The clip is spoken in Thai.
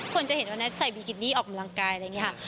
คนจะเห็นว่าแท็กใส่บิกินี่ออกกำลังกายอะไรอย่างนี้ค่ะ